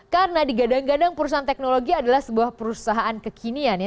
karena digadang gadang perusahaan teknologi adalah sebuah perusahaan kekinian